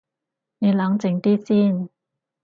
你冷靜啲先